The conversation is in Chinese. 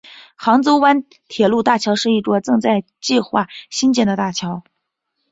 杭州湾铁路大桥是一座正在计划兴建的大桥。